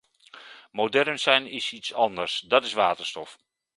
Modern zijn is iets anders, dat is waterstof.